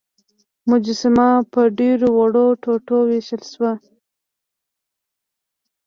مجسمه په ډیرو وړو ټوټو ویشل شوه.